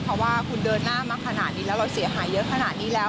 เพราะว่าคุณเดินหน้ามาขนาดนี้แล้วเราเสียหายเยอะขนาดนี้แล้ว